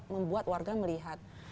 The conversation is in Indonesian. membuat warga melihat